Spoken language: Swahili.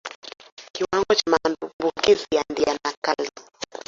Kiwango cha maambukizi ya ndigana kali